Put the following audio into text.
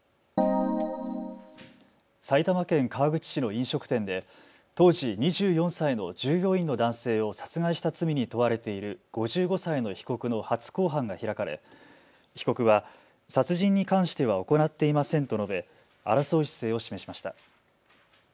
埼玉県川口市の飲食店で当時、２４歳の従業員の男性を殺害した罪に問われている５５歳の被告の初公判が開かれ被告は殺人に関しては行っていませんと述べ争う姿勢を示しました。